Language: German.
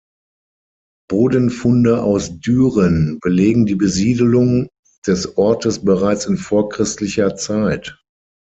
Bodenfunde aus Dühren belegen die Besiedelung des Ortes bereits in vorchristlicher Zeit.